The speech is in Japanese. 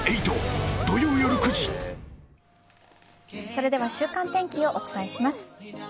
それでは週間天気をお伝えします。